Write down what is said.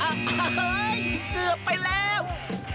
อ้าวเฮ้ยเกือบไปแล้ว